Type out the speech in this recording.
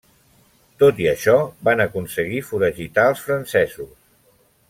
Tot i això, van aconseguir foragitar els francesos.